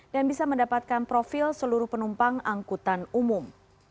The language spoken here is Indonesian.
dan bisa mendapatkan profil seluruh penumpang angkutan umum